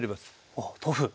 おっ豆腐。